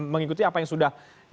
mengikuti apa yang sudah